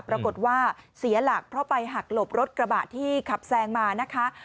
ปรากฏว่าเสียหลักเพราะไปหักหลบรถกระบะที่ขับแซงมานะคะ